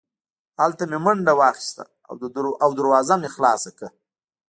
هلته مې منډه واخیسته او دروازه مې خلاصه کړه